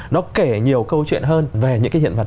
nó kể nhiều câu chuyện hơn về những cái hiện vật